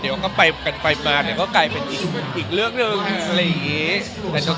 เดี๋ยวก็ไปกันไปมาเดี๋ยวก็กลายเป็นอีกเรื่องหนึ่งอะไรอย่างนี้